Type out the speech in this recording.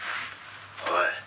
「おい」